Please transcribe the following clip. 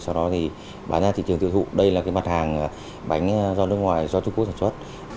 sau đó thì bán ra thị trường tiêu thụ đây là cái mặt hàng bánh do nước ngoài do trung quốc sản xuất